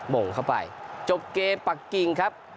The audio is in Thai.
โมงเข้าไปจบเกมปักกิ่งครับ